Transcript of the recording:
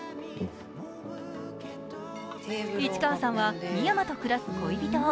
市川さんは未山と暮らす恋人を。